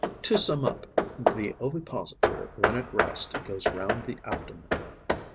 To sum up, the ovipositor when at rest goes round the abdomen.